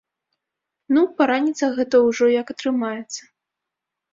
Ну, па раніцах гэта ўжо як атрымаецца.